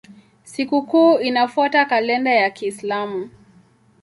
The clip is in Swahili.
Sikukuu inafuata kalenda ya Kiislamu.